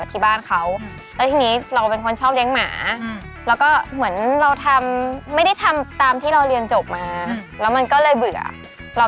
ลูกค้าเขาก็จะมีแบบพริเศษมาว่าอยากมีอันนั้นอันนี้อะไรอย่างนี้ค่ะ